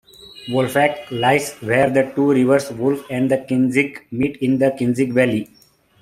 Wolfach lies where the two rivers Wolf and Kinzig meet in the Kinzig valley.